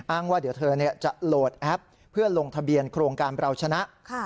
ว่าเดี๋ยวเธอจะโหลดแอปเพื่อลงทะเบียนโครงการเปล่าชนะ